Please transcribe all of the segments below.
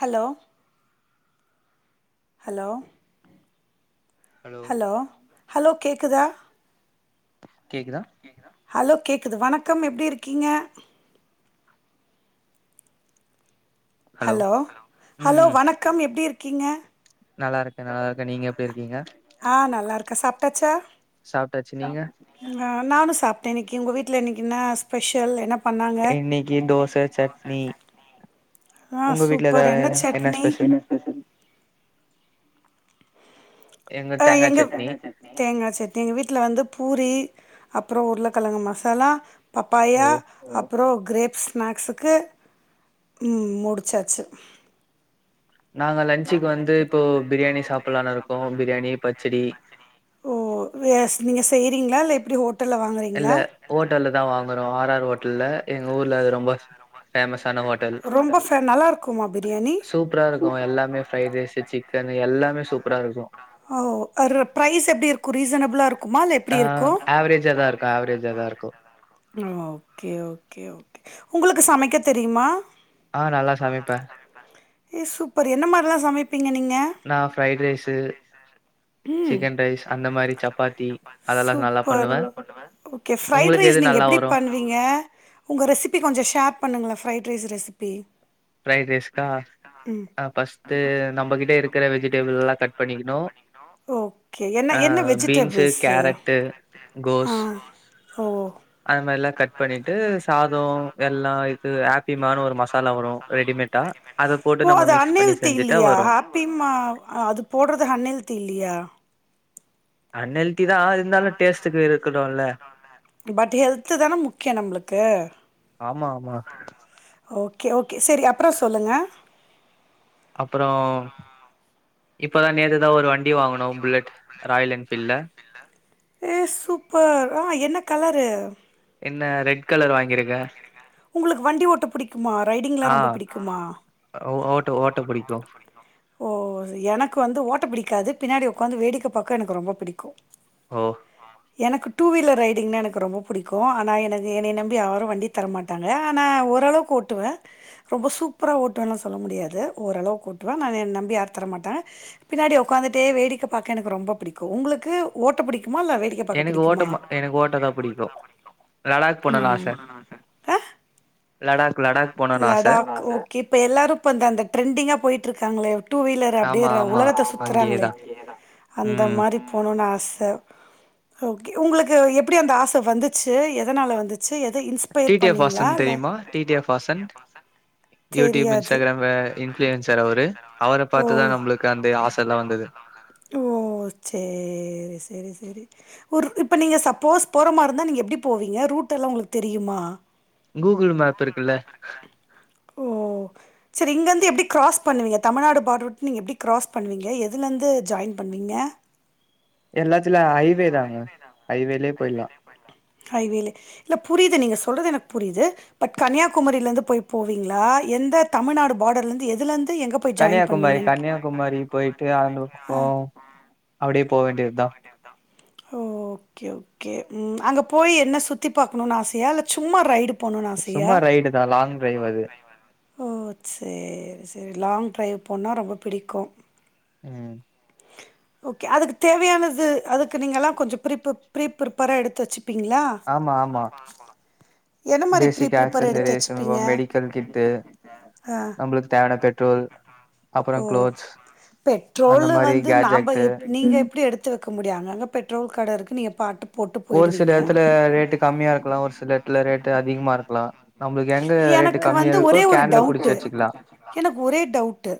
Hello hello hello hello கேக்குதா கேக்குதா hello கேக்குது வணக்கம் எப்டி இருக்கீங்க ஹலோ ஹலோ ம் வணக்கம் எப்டி இருக்கீங்க நல்லா இருக்கே நல்லா இருக்கே நீங்க எப்டி இருக்கீங்க ஆ நல்லா இருக்கேன் சாப்ட்டாச்சு நீங்க ம் நா நானு சாப்ட்ட இன்னைக்கு உங்க வீட்ல இன்னைக்கு இன்ன ஸ்பெஷல் என்ன பண்ணாங்க இன்னைக்கு தோச சட்னி ஆ உங்க வீட்ல சூப்பர் எதாவ என்ன சட்னி ஸ்பெஷல் தா தேங்கா எங்க சட்னி தேங்கா சட்னி எங்க வீட்ல வந்து பூரி அப்புறோ உருளக்கெழங்கு மசாலா ஓ பப்பாயா அப் புறோ கிரேப்ஸ் ஸ்நாக்ஸுக்கு ம் முடிச்சாச்சு நாங்க லன்ச்சிக்கு வந்து இப்போ பிரியாணி சாப்புலானு இருக்கோ பிரியாணி பச்சடி ஓ நீங்லாஸ் நீங்க செய்றீங்ளா இல்ல எப்புடி ஹோட் இல்ல ஹோட்டல்லதா வாங்குறோ ஆர் ஆர் ஹோட்டுல்ல எங்க ஊர்ல அது ரொம்ப ஃபேமஸ்ஸான ஹோட்டல் ரொம்ப ஃபேமஸான ரொம்ப ஹோட்டல். ஃபே நல்லா இருக்குமா பிரியாணி சூப் புரா இருக்கு எல்லாமே ஃப்ரைடு ரைஸு சிக்கனு எல்லாமே சூப்புரா இரு அ ஓ அதோட பிரைஸ் எப்டி இருக்கு ரீசனபுளா இருக் ஆ ஆவரேஜாதா இருக்கு ஆவரேஜாதா இருக்கு ஓ ஓகே ஓகே ஓகே உங்குளுக்கு சமைக்க தெரியுமா ஆ நல்லா சமைப்ப ஏ சூப்பர் என்ன மார்லா சமைப்பீங்க நீங்க நா ஃப்ரைடுரைஸு ம் சிக்கன் ரைஸ் அந்த மாரி சப்பாத்தி அதெல்லாம் அதெல்லா நல்லா சூப்பர் பண்ணுவ ஓகே ஃப்ரைடு ரைஸ் நீங்க எப்டி பண்ணு வீங்க உங்க ரெசிபி கொஞ்சோ ஷேர் பண்ணுங்ள ஃப்ரைடுரைஸு ரெசிபி ப்ரைட் ரைஸ்க்கா அ ஃபஸ்ட்டு நம்மகிட்ட இருக்கிற வெஜிடேபுள்லா கட் பண்ணிக்குணு ஓகே என்ன ஆ என்ன பீன்ஸு வெஜிடபிள்ஸு கேரட்டு ஆ கோஸ் ஓ அந்த மாரிலா கட் பண்ணிட்டு சாதோ எல்லா இது ஹாப்பிமானு ஒரு மசாலா வரோ ரெடிமேட் டா அத போட்டு நம்ம மிக்ஸ் பண்ணி செஞ்சிட்டா வரோ ப்பிம்மா அது போடுறது அன் ஹெல்த்தி இல்லையா அன் ஹெல்த்திதா இருந்தாலோ டேஸ்டுக்கு இருக்கட்டோல்ல பட் ஹெல்த்துதானே முக்கியோ நம்ளுக்கு ஆமா ஆமா ஓகே ஓகே செரி அப்றோ சொல்லுங்க அப்பறோ இப்பதா நேத்துதா ஒரு வண்டி வாங்கனோ புல்லட் ராயல் என்பீல்ட்ல ஏ சூப்பர் ஆ என்ன கலரு என்ன ரெட் கலர் வாங்கிருக்க உங்களுக்கு வண்டி ஓட்ட புடிக்குமா ரைடிங்லா ஆ ரொம்ப புடிக்குமா ஓட்ட ஓட்ட புடிக்கு ஓ எனக்கு வந்து ஓட்ட பிடிக்காது பின்னாடி ஒக்காந்து வேடிக்க பாக்க எனக்கு ரொம்ப பிடிக்கு ஓ எனக்கு டூ வீலர் ரைடிங்னா எனக்கு ரொம்ப புடிக்கு ஆனா என என்னய நம் பி யாரு வண்டி தரமாட்டாங்க ஆனா ஓரளவுக்கு ஓட்டுவே ரொம்ப சூப்பரா ஓட்டுவேன்லா சொல்ல முடியாது ஓரளவு ஓட்டுவே ஏன்னா என்ன நம்பி யாரு தர மாட்டாங்க பின்னாடி ஒக்காந்துட்டே வேடிக்க பாக்க எனக்கு ரொம்ப பிடிக்கு உங்களுக்கு ஓட்ட புடிக்குமா இல்ல வேடிக் எனக்கு ஓட்ட ம எனக்கு ஓட்டதா புடிக்கு லடாக் போனுன் ஆச ஆ. லடாக் லடாக் போனா லடாக் ஓகே இப்ப எல்லாரு இப்ப இந்த அந்த ட்ரெண்டிங்கா போய்ட்ருக்காங்களே டூ வீலர் அப்டியே உலகத்த சுத்து அங்கேதா அந்த மாரி போணுனு ஆச உங்களுக்கு எப்டி அந்த ஆச வந்துச்சு எதனால வந்து ச்சு எத டி இன்ஸ்பயர் டி எஃப் பண்ணிங்களா வாசன் இல்ல தெரியுமா T T F Vasan YouTube தெரியாது இன்ஸ்டாகிராம் இன்ஃபளயன்சர் அவரு அவர ஓ பாத்துதா நம்ளுக்கு அந்த ஆசலா வந்துது ஓ சேரி செரி செரி ஒரு இப்ப நீங்க சப்போஸ் போறமாருந்தா நீங்க எப்டி போவீங்க ரூட் எல்லா உங்களுக்கு தெரியுமா கூகுள் மேப் இருக்குல்ல ஓ சரி இங்கருந்து எப்டி க்ராஸ் பண்ணுவீங்க தமிழ்நாடு பாடர் விட்டு நீங்க எப்டி க்ராஸ் பண்ணுவீங்க எதுலேருந்து ஜாயின் பண்ணுவீங்க எல்லாத்துல ஹைவே தாங்க ஹைவேலயே போய்ட்லா ஹைவேல இல்ல புரியது நீங்க சொல்றது எனக்கு புரியுது பட் கன்னியாகுமரில இருந்து போய் போலிங்களா எந்த தமிழ்நாடு பார்டர்லருந்து எதுலருந்து எங்க கன்னியாகுமரி கன்னியாகுமாரி போயிட்டு அந்த ஆ. பக்க அப்டியே போவேண்டியதுதா ஓ ஓகே ஓகே ம் அங்க போய் என்ன சுத்தி பாக்கணும்ன்னனு ஆசையா இல்லை சும்மா ரைடு போனுண் ஆசையா சும்மா ரைடு தா லாங் டிரைவ் அது ஓ சேரி சேரி லாங் ட்ரரைவ் போன்னுணா ரொம்ப பிடிக்கும் ம் [inaudible] ஓகே அதுக்கு தேவையானது அதுக்கு நீங்கள்ல்லா கொஞ்ச ப்ரிப்பு ப்ரி பிப்பேரா எடுத்து வச்சுப்பீங்களா ஆமா ஆமா என்ன மாரி பேசிக் பீரிப்பபர் எடுத்து ஆக்சஸரீஸ், வச்சுப்பீங்க மெடிக்கல் கிட்டு, அ நம்மளுக்கு தேவையான பெட்ரோல், ஓ அப்புறம் க்ளோத்ஸ் அந்த பெட்ரோல் மாரி வந் து நம்ப கேட்ஜெக்ட்டு நீங்க எப்படி எடுத்து வைக்க முடியும் அங்க அங்க பெட்ரோல் கட இருக்கு நீங்க பாட்டு போட்டு ஒரு சில போயிடுவீங்க இடத்துல ரேட்டு கம்மியா இருக்கலா ஒரு சில இடத்துல ரேட்டு அதிகமா இருக்கலா நம்மளுக்கு எங்க ரேட்டு எனக்கு கம்மியா வந்து இருக்கோ ஒரே ஒரு கேன்ல புடிச்சு டவுட்டு வச்சுக்கலா எனக்கு ஒரே டவுட்டு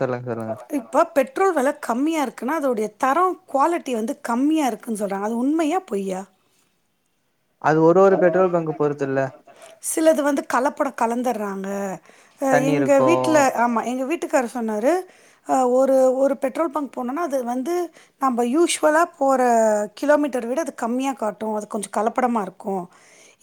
சொல்லுங்க சொல்லுங்க இப்போ பெட்ரோல் வில கம்மியா இருக்குன்னா அதோடைய தரம் குவாலிட்டி வந்து கம்மியா இருக் க்குனு சொல்றங்க அது உண்மையா பொய்யா ஒவ்வொரு பெட்ரோல் பங்க் பொறுத்து இல்ல சிலது வந்து கலப்படம் கலந்துடுறாங்க அ தண்ணி எங்க இருக்கு வீட்டுல ஆமா எங்க வீட்டுக்காரு சொன்னாரு ஆ ஒரு ஒரு பெட்ரோல் பங்க் போனோன்னா அது வந்து நம்ம யூஸ்வலா போற கிலோமீட்டர் விட அது கம்மியா காட்டும் அது கொஞ்சம் கலப்படமா இருக் க்கு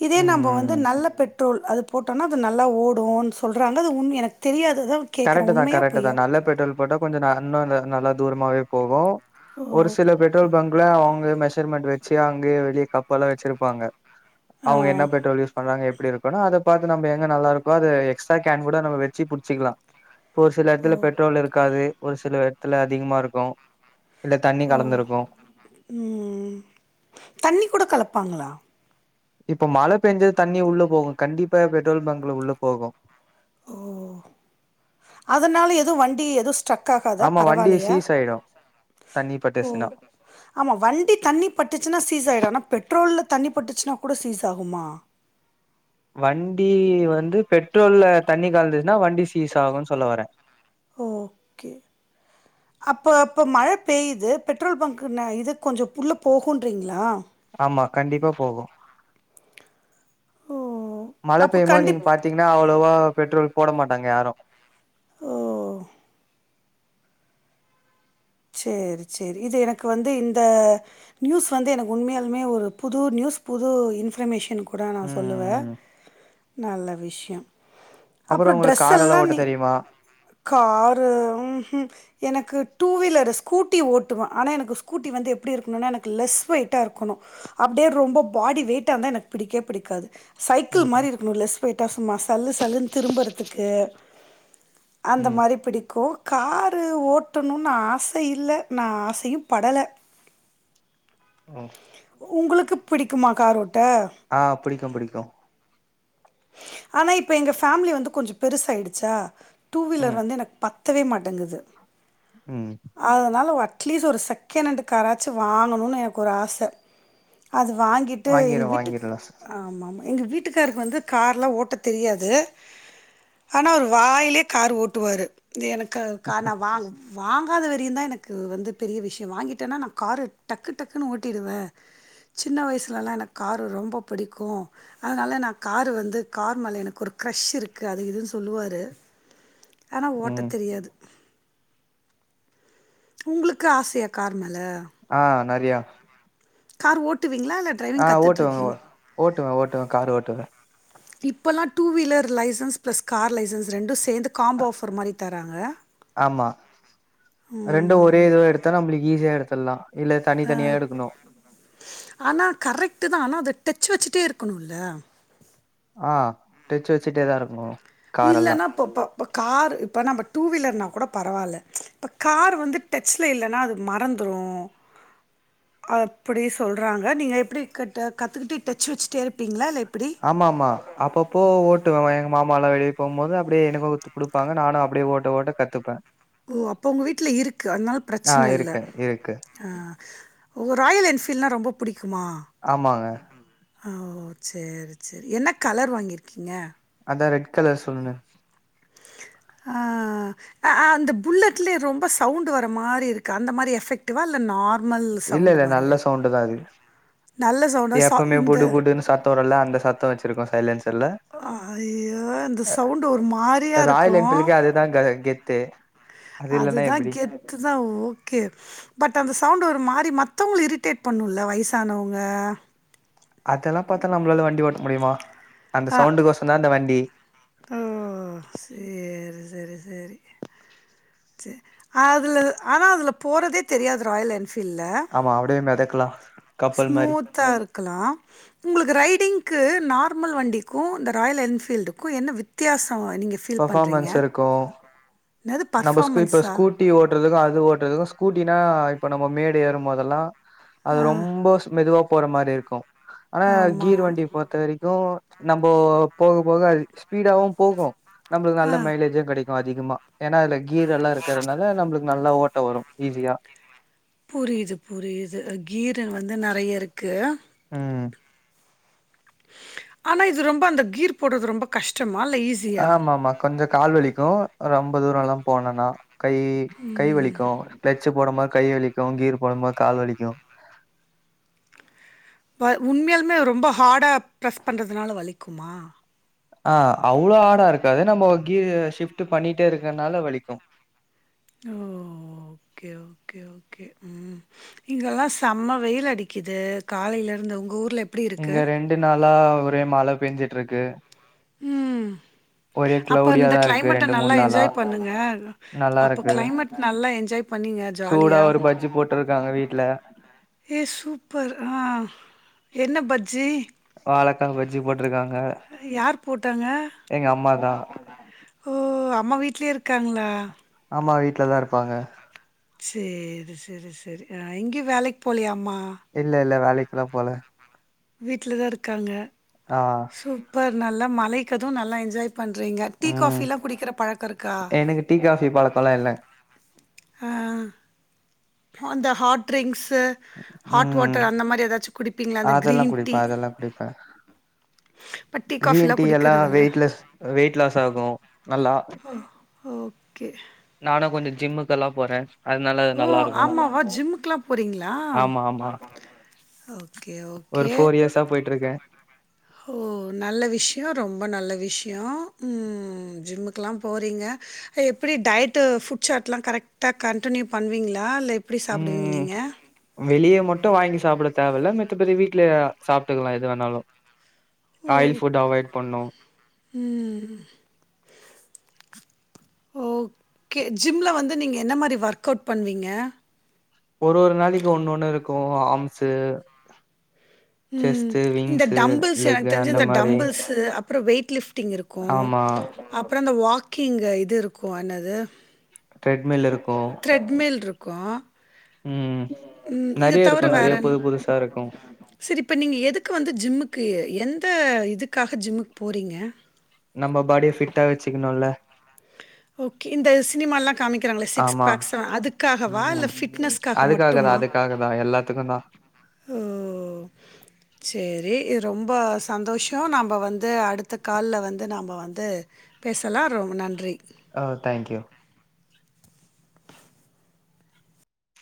இதே ம் நம்ம ம் வந்து ம். நல்ல பெட்ரோல் அது போட்டோம்னா அது நல்லா ஓடும்ன்னு சொல்கிறாங்க அது உண்மை எனக்கு தெரியாத தா கரெக்ட் தா கரெக்ட் தா நல்ல பெட்ரோல் போட்டா கொஞ்ச இன்னு நல்ல தூரமாவே போகும் ஓ ஒரு சில பெட்ரோல் பங்க் அள்ள அவங்க மெஷர்மெண்ட் வச்சு அங்கே வெளியே கப்பெல்லா வச்சருப்பாங்க ஆ அவங்க என்ன பெட்ரோல் யூஸ் பண்றாங்க எப்படி இருக்கு அத பாத்து நம்ம எங்க நல்லா இருக்கோ அது எக்ஸ்ட்ரா கேன் கூட நம்ம வச்சு புடிச்சிக்கலா இப்ப ஒரு சில இடத்துல ஓ பெட்ரோல் இருக்காது ஒரு சில இடத்துல அதிகமா இருக்கும் இல்ல தண்ணி கலந்துருக்கு ம் தண்ணி கூட கலப்பாங்களா இப்ப மழ பெஞ்சா தண்ணி உள்ள போகும் கண்டிப்பா பெட்ரோல் பங்க்ல உள்ள போகும் ஓ அதனால எதோ வண்டி ஏதோ ஸ்ட்ரக் ஆகாதா ஆமா வண்டி பரவாயில்லயா சீஸ் ஆயிடு தண்ணி ஓ பட்டுச்சுன்னா ஆமா வண்டி தண்ணி பட்டுச்சுனா சீஸ் ஆகிடும் ஆனா பெட்ரோல்ல தண்ணி பட்டுச்சுனா கூட சீஸ் ஆகுமா வண்டி வந்து பெட்ரோல்ல தண்ணி கலந்துச்சுன்னா வண்டி சீஸ் ஆகும்னு சொல்ல வர ஓகே அப்போ அப்போ மழ பெய்யுது பெட்ரோல் பங்க் இது கொஞ்சம் உள்ளே போகுன்றிங்களா ஆமா கண்டிப்பா போகு ஓ மழ அப்போ பெய்யுமோ நீங்க கண்டிப் பாத்தீங்க கனா அவ்வளவா பெட்ரோல் போட மாட்டாங்க யாரும் ஓ சரி சரி இது எனக்கு வந்து இந்த நியூஸ் வந்து எனக்கு உண்மையாலுமே ஒரு புது நியூஸ் புது இன்பர்மேஷன்க் கூட நா ம் சொல்லுவ ம் ம் நல்ல விஷயம் அப்புறோ அப்புறம் உங்களுக்கு ட்ரெஸ் கார் எல்லா எல்லாம் ஓட்ட நீ தெரியுமா காரு ம் ம் எனக்கு டூவீலர் ஸ்கூட்டி ஓட்டுவே ஆனா எனக்கு ஸ்கூட்டி வந்து எப்படி இருக்கணும் நா எனக்கு லெஸ் வெயிட்டா இருக்கணும் அப்படியே ரொம்ப பாடி வெயிட்டாருந்தா எனக்கு பிடிக்கவே பிடிக்காது சைக்கிள் ம் ம் மாதிரி இருக்கணு லஸ் வெயிட்டா சும்மா சல்லு சல்லுன்னு திரும்பறதுக்கு அந்த ம் மாதிரி பிடிக்கும் காரு ஓட்டணும்னு ஆ ச இல்ல நா ஆசையும் படல ம் உங்ளுக்கு பிடிக்குமா கார் ஓட்ட ஆ பிடிக்கு பிடிக்கு ஆனா இப்ப எங்க ஃபேம்லி வந்து கொஞ்சோ பெருசாய்டுச்சா டூ ம், வீலர் வந்து எனக் பத் தவே மாட்டங்கிது ம் அதனால அட்லீஸ்ட் ஒரு செக்கெணண்டு காராச்சு வாங்கணுன் எனக்கொரு ஆச அது வாங்கிட்டு எங்க வாங்கிருவேன் வீட்டுக் வாங்கிடலாம் சார். ஆமாமா எங்க வீட்டுக்காருக் வந்து கார்லா ஓட்ட தெரியாது ஆனா அவுரு வாய்லே காரு ஓட்டுவாரு து எனக்காக கார் நா வாங் வாங் காத வரயு தா எனக்கு வந்து பெரிய விஷ்யோ வாங்கிட்டேனா நா காரு டக்கு டக்குனு ஓட்டிருவே சின்ன வய்ஸ்லல்லா எனக் காரரு ரொம்ப பிடிக்கு அதனால நா காரு வந்து கார் மேல எனக்கொரு க்ரெஷ் இருக்கு அது இதுன் சொல்லுவாரு ஆனா ஓட்ட ம். தெரியாது உங்ளுக்கு ஆசையா கார் மேல ஆ நறையா கார் ஓட்டுவீங்ளா இல்ல ஆ டிரைவிங் ஓட்டுவங்க ஓ கத்துட்ருக்கீங் ஓட்டுவே ஓட்டுவே காரு ஓட்டுவே இப்பல்லா two wheeler licence plus car licence ரெண்டு சேந்து காம்போ ஆஃபர் மாரி தராங்க ஆமா. ம் த்தா நம்பளுக் ஈஸியா எடுத்தர்லா இல்ல தனி தனியா எடுக்கணு ஆனா கரெக்ட்டு தா ஆனா அத டெச் வச்சிட்டே இருக்கணுல்ல ஆ டெச் வெச்சிட்டே தா இருக்குனு இல்லனா அப்பப்போ இப்ப காரு இப்ப நம்ப டூ வீலர்னா கூட பரவால்ல இப்ப காரு வந்து டச் ல இல்லனா அது மறந்துரு அப்பிடி சொல்றாங்க நீங்க எப்டி கர்ட்டா கத்துக்கிட்டு டச் வச்சிட்டே இருப்பீங்ளா இல்ல எப்பிடி ஆமாமா அப்பப்போ ஓட்டுவே எங்க மாமாலா வெளிய போம்போது அப்டியே எனக்கு து குடுப் பாங்க நானு அப்டியே ஓட்ட ஓட்ட கத்துப்பே ஓ அப்ப உங்க வீட்ல இருக்கு அத்னால் ஆ பிரச்சன இல்ல இருக்கு, இருக்கு. ஆ ஓ ராயல் என்ஃபீல்னா ரொம்ப புடிக்குமா ஆமாங்க. ஓ சேரி சேரி என்ன கலர் வாங்கீர்க்கீங்க அதா ரெட் கலர் சொன்னனே ஆ ஆ ஆ அந்த புல்லட்லே ரொம்ப சவுண்டு வர மாரி இருக்கு அந்த மாரி எஃபெக்டிவா இல்ல நார் இல்லல்ல நல்ல சவுண்டு தா அது நல்ல சவு எப்பமே புடு புடுன்னு சத்தோ வருல்ல அந்த சத்தோ வெச்சிருக்கோ சைலன்ஸர்ல அ ஐயோ இந்த சவுண்டு ஒரு மாரியா இருக்கு அதாங்க்கா கெத்து அது இல்லன்னா அதுதா எப்டி கெத்து தா ஓகே பட் அந்த சவுண்டு ஒரு மாரி மத்தவங்ள இரிட்டேட் பண்ணுல்ல வய்சானவங்க அதெல்லா பாத்தா நம்பளால வண்டி ஓட்ட முடியுமா அந்த அ. சவுண்டு கொசோ தா அந்த வண்டி ஓ சேரி செரி செரி சேர் அதுல ஆனா அதுல போறதே தெரியாது ராயல் என்ஃபீல்ல ஆமா அப்டியே மெதக்கலா கப்பல் மாரி ஸ்மூத்தா இருக்லா உங்களுக்கு ரைடிங்க்கு நார்மல் வண்டிக்கு இந்த ராயல் என்பீல்டுக்கு என்ன வித்யாச நீங்க ஃபீல் பண்றீங்க பர்ஃபாமன்ஸ் இருக்கு என்னது பர்ஃபாமன்ஸா ஓட்டுறதுக்குமா அது ஓட்டுறதுக்கு ஸ்கூட்டினா இப்ப நம்ம மேடு ஏறும் போதெல்லா அது ஆ, ரொம்ப ஸ்மெதுவா போற மாரி இருக்கு ஆனா ஆமா. கீர் வண்டி பொருத்த வரைக்கு நம்போ போக போக அது ஸ்பீடாவு போகு நம்பளுக்கு ஆ நல்ல மைலேஜு கெடைக்கு அத் அதிகமா ஏனா அதுல கீர் எல்லா இருக்கறனால நம்மளுக்கு நல்லா ஓட்ட வரு ஈஸியா புரியிது புரியிது கீர் வந்து நெறைய இருக்கு ம் ஆனா இது ரொம்ப அந்த கீர் போட்றது ரொம்ப கஷ்டமா இல்ல ஈஸ் ஆமா ஆமா கொஞ்ச கால் வலிக்கு ரொம்ப தூரல்லா போனனா கை கை வலிக்கு கிளச்சு போடுமோ கை வலிக்கு கீர் போடுமோ கால் வலிக்கு வ உண்மையாலுமே ரொம்ப ஹாடா ப்ரெஸ் பண்றதுனால வலிக்குமா ஆ அவ்ளோ ஆடா இருக்காது நம்ம கீர் ஷிஃப்ட் பண்ணிட்டே இருக்கனால வலிக்கு ம் ஓகே ஓகே ஓகே ம் இங்கெல்லா சம்ம வெயில் அடிக்குது காலையில இருந்து உங்க ஊர் இங்க ரெண்டு நாளா ஒரே மழ பெஞ்சிட்ருக்கு ம் அப்ப கிளௌடியா இந்த தா இருக்கு கிளைமட்ட ரெண்டு மூணு நல்லா நாளா என்ஜாய் பண்ணுங்க நல்லா அப்ப இருக்கு கிளைமட் நல்லா என்ஜாய் பண்ணிங்க சூடா ஜாலியா ஒரு பஜ்ஜி போட்டிருக்காங்க வீட்ல ஏ சூப்பர் ஆ என்ன பஜ்ஜி வாழக்கா பஜ்ஜி போட்டிருக்காங்க யார் போட்டாங்க எங்க அம்மா தா ஓ அம்மா வீட்லயே இருக்காங்ளா ஆமா வீட்ல தா இருப்பாங்க சேரி செரி செரி எங்கேயு வேலைக்கு போலையா அம்மா இல்ல இல்ல வேலைக்குல்லா போல வீட்ல தா இருக்காங்க ஆ சூப்பர் நல்லா மழைக்கு அது நல்லா என்ஜாய் பண்றீங்க டீ ம் காஃபில்லா குடிக்கிற பழக்க இருக்கா எனக்கு டீ காஃபி பழக்கோல்லா இல்ல அ அந்த ஹாட் ட்ரிங்க்ஸ் ஹாட் ம் வாட்டர் அந்த மாரி ஏதாச்சு குடிப்பீங்ளா அந்த அதெல்லா கிரீன் டீ குடிப்பே அதெல்லா குடிப்பே இப்ப டீ காபில்லா கிரீன் எல்லா குடிக்கறது இல்ல வெயிட்லெஸ் வெயிட் லாஸ் ஆகு நல்லா ஆ ஓகே நானு கொஞ்ச ஜிம்முக்கெல்லா போற ஓ ஆமாவா ஜிம்முக்குல்லா போறீங்களா ஆமா ஆமா ஓகே ஒரு ஓகே ஃபோர் இயர்ஸா போயிட்ருக்கே ஓ நல்ல விஷயோ ரொம்ப நல்ல விஷயோ ம் ஜிம்முக்குல்லா போறீங்க எப்டி டயடு ஃபுட் சாட் எல்லா கரெக்டா கண் கண்டினியூ பண்ணுவீங்ளா இல்ல எப்டி சாப்டுவீங்க ம் நீங்க வெளிய மட்டு வாங்கி சாப்ட தேவ இல்ல மத்தப்படி வீட்ல சாப்ட்டுக்கலா எது வேணாலு ஓ! ஆயில் ஃபுட் அவாய்ட் பண்ணு ம் ஓகே ஜிம்ல வந்து நீங்க என்ன மாரி ஒர்க் அவுட் பண்ணுவீங்க ஒரு ஒரு நாளைக்கு ஒன்னு ஒன்னு இருக்கும் ஆம்ஸு ம் செஸ்ட்டு இந்த விங்ஸு டம்புள்ஸ் எனக்கு லெக்கு தெரிஞ்ச அந்த இந்த மாரி டம்பிள்ஸு அப்புற வெயிட் லிஃப்டிங் இருக்கு ஆமா அப்புற இந்த வாக்கிங்கு இது இருக்கும் என்னது ட்ரெட்மில் இருக்கு த்ரெட்மில் இருக்கு ம் ம் இத நெறைய தவர இருக்கு நெறைய வேறன் புது புதுசா இருக்கு சேரி இப்போ நீங்க எதுக்கு வந்து ஜிம்முக்கு எந்த இதுக்காக ஜிம்முக்கு போறீங்க நம்ம பாடிய ஃபிட்டா வச்சுக்கணுல ஓகே இந்த சினிமால்லா காமிக்கிறாங்களே சிக்ஸ் ஆமா பேக்ஸ்லா அதுக்காகவா இல்ல ம் ஃபிட்னஸ் அதுக்காக தா அதுக்காக தா எல்லாத்துக்கு தா ஓ சேரி ரொம்ப சந்தோஷ நம்ப வந்து அடுத்த கால்ல வந்து நம்ப வந் து பேசலா ‌ரொம்ப நன்றி ஓ தேங்க்யூ